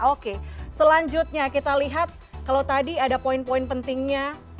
oke selanjutnya kita lihat kalau tadi ada poin poin pentingnya